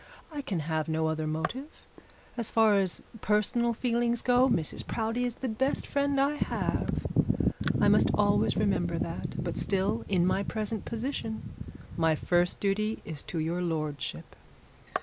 I can have no other motive. As far as personal feelings go, Mrs Proudie is the best friend I have. I must always remember that. But still, in my present position, my first duty is to your lordship.'